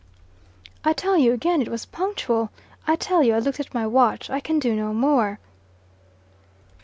"I tell you again it was punctual. I tell you I looked at my watch. I can do no more."